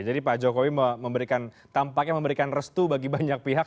jadi pak jokowi tampaknya memberikan restu bagi banyak pihak